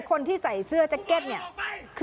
คนที่ใส่เสื้อแจ็คเก็ต